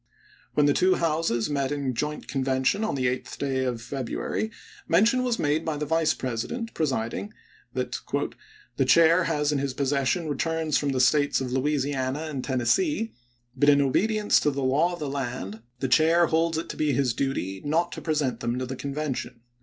When the two Houses met in joint convention on the eighth day of February, mention was made by the Vice President, presiding, that " The Chair has in his possession returns from the States of Louisiana and Tennessee ; but in obedience to the law of the land, the Chair holds it to be his duty «Giot>e," not to present them to the Convention."